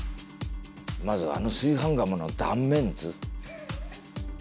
まずあの炊飯釜の断面図。